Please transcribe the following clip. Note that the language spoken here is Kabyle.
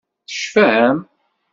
Tecfam?